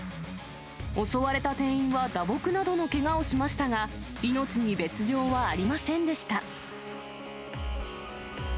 襲われた店員は打撲などのけがをしましたが、命に別状はありませんでした。